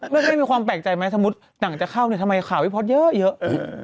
ไม่มีความแปลกใจไหมสมมุติหนังจะเข้าเนี่ยทำไมข่าวพี่พอร์ตเยอะ